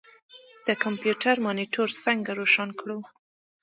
د کمپیوټر مانیټر څنګه روښانه کړو.